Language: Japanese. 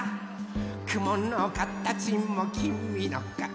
「くものかたちもきみのかお」